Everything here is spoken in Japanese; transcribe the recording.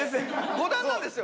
５段なんですよ。